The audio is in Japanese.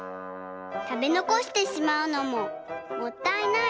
たべのこしてしまうのももったいない。